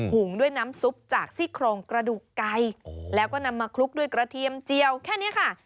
งด้วยน้ำซุปจากซี่โครงกระดูกไก่แล้วก็นำมาคลุกด้วยกระเทียมเจียวแค่นี้ค่ะ